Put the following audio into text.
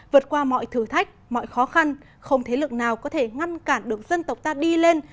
vượt qua mọi thử thách mọi khó khăn không thế lực nào có thể ngăn cản được dân tộc ta đi lên